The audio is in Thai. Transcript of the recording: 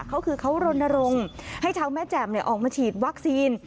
เขาคือเขารณรงค์ให้ชาวแม่แจ่มออกมาฉีดวัคซีน